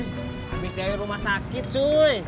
habis dari rumah sakit cuy